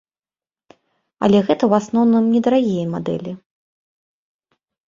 Але гэта ў асноўным недарагія мадэлі.